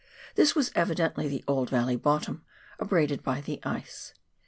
This was evidently the old valley bottom, abraded by the ice.